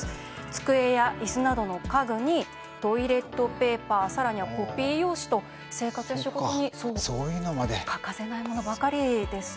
机やいすなどの家具にトイレットペーパーさらにはコピー用紙と生活に欠かせないものばかりです。